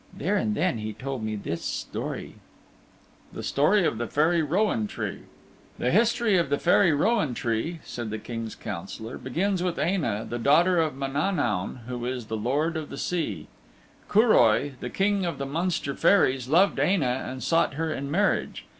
There and then he told me this story: The Story of the Fairy Rowan Tree The history of the Fairy Rowan Tree (said the King's Councillor) begins with Aine', the daughter of Mananaun who is Lord of the Sea. Curoi, the King of the Munster Fairies loved Aine' and sought her in marriage.